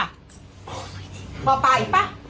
พอป่าอีกป่ะ